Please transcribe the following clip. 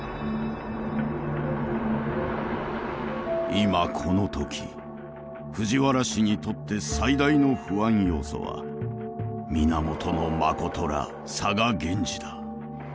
今この時藤原氏にとって最大の不安要素は源信ら嵯峨源氏だ。